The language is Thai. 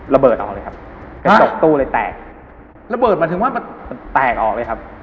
ระเบิดออกเลยครับกระจกตู้เลยแตกระเบิดหมายถึงว่ามันแตกออกเลยครับ